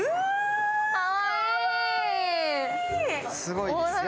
すごいですね。